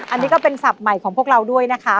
อันนี้ก็เป็นศัพท์ใหม่ของพวกเราด้วยนะคะ